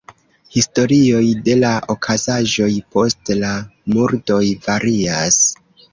Historioj de la okazaĵoj post la murdoj varias.